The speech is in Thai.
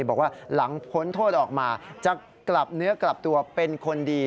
บอกว่าหลังพ้นโทษออกมาจะกลับเนื้อกลับตัวเป็นคนดี